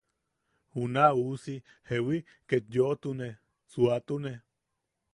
Juna uusi ¿jewi? ket yoʼotune, suatune.